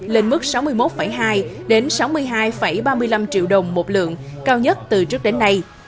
lên mức sáu mươi một hai đến sáu mươi hai ba mươi năm triệu đồng một lượng cao nhất từ trước đến nay